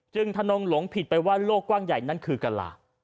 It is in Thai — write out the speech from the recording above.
จึงท่านองค์หลงผิดไปว่าโลกกว้างใหญ่นั่นคือกราศวงศ์